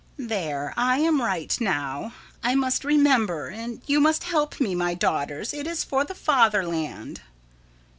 _] There, I am right now. I must remember and you must help me, my daughters it is for the fatherland.